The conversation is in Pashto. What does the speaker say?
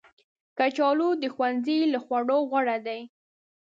کچالو د ښوونځي له خوړو غوره دي